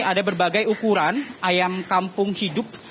ada berbagai ukuran ayam kampung hidup